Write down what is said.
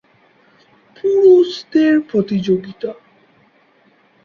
পুরুষদের প্রতিযোগিতা